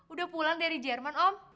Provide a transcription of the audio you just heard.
udah pulang dari jerman om